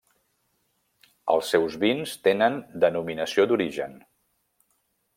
Els seus vins tenen denominació d'origen.